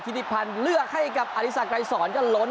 ธินิพันธ์เลือกให้กับอาริสักไกรสรก็ล้นครับ